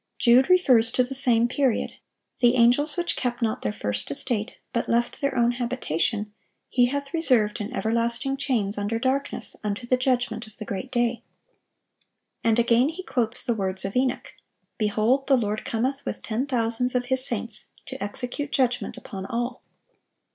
Jude refers to the same period: "The angels which kept not their first estate, but left their own habitation, He hath reserved in everlasting chains under darkness unto the judgment of the great day." And again he quotes the words of Enoch: "Behold, the Lord cometh with ten thousands of His saints, to execute judgment upon all."